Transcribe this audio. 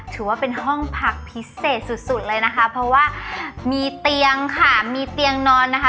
ถือว่าเป็นห้องพักพิเศษสุดสุดเลยนะคะเพราะว่ามีเตียงค่ะมีเตียงนอนนะคะ